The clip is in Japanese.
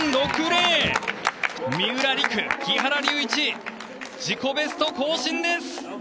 三浦璃来、木原龍一、自己ベスト更新です。